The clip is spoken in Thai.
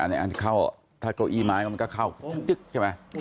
อันนี้อันที่เข้าถ้าเก้าอีไม้ก็เข้าจึ๊กใช่ไหม